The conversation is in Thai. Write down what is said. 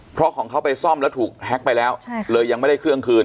เพราะของเขาไปซ่อมแล้วถูกแฮ็กไปแล้วเลยยังไม่ได้เครื่องคืน